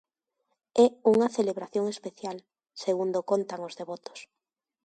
É unha celebración especial, segundo contan os devotos.